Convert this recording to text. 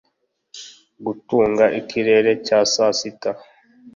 Gutunga ikirere cya sasita